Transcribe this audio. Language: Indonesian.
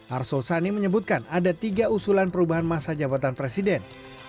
arsul sani menyebutkan ada tiga usulan perubahan masa jabatan presiden